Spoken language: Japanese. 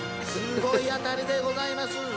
すごい当たりでございます。